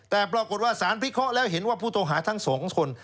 แต่ปรากฏว่าสารพิเคราะห์แล้วเห็นว่าผู้ต้องหาทั้งสองคน